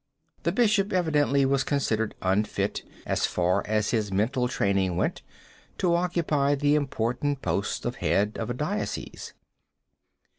The bishop evidently was considered unfit, as far as his mental training went, to occupy the important post of head of a diocese.